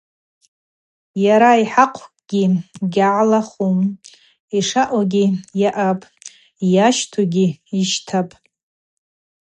Йара ахӏахъвгьи йгьалахӏум, йшаъугьи йаъапӏ, йъащтӏугьи йщтӏапӏ.